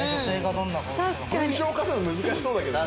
文章化するの難しそうだけどね。